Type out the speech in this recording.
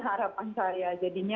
harapan saya jadinya